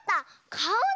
かおだ！